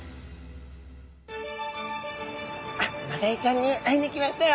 マダイちゃんに会いに来ましたよ！